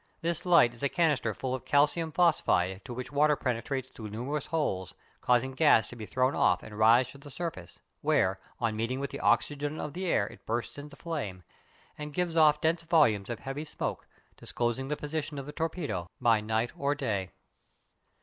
This light is a canister full of calcium phosphide to which water penetrates through numerous holes, causing gas to be thrown off and rise to the surface, where, on meeting with the oxygen of the air, it bursts into flame and gives off dense volumes of heavy smoke, disclosing the position of the torpedo by night or day.